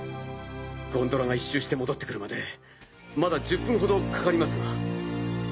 ゴンドラが１周して戻って来るまでまだ１０分ほどかかりますが。